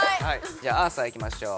じゃあアーサーいきましょう。